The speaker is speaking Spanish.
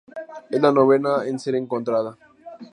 Es la novena en ser encontrada.